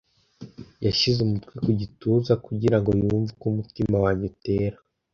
[S] Yashyize umutwe ku gituza kugira ngo yumve uko umutima wanjye utera.